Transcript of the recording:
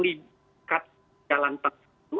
dikat jalan tengah itu